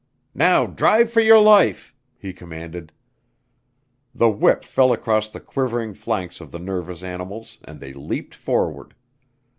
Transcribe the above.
"Now drive for your life!" he commanded. The whip fell across the quivering flanks of the nervous animals and they leaped forward.